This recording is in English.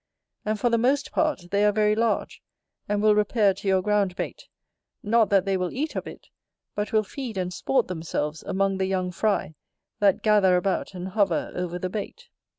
And for the most part they are very large; and will repair to your ground bait, not that they will eat of it, but will feed and sport themselves among the young fry that gather about and hover over the bait.